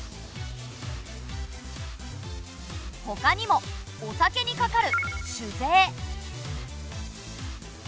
ほかにもお酒にかかる酒税。